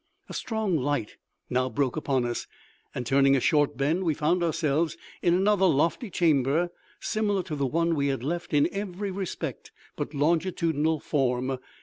A strong light now broke upon us, and, turning a short bend, we found ourselves in another lofty chamber, similar to the one we had left in every respect but longitudinal form.